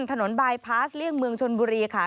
บายพาสเลี่ยงเมืองชนบุรีค่ะ